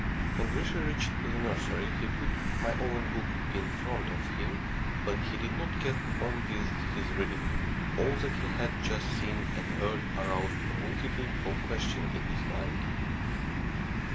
When Grisha reached the nursery, he put "My Own Book" in front of him, but he did not get on with his reading. All that he had just seen and heard aroused a multitude of questions in his mind.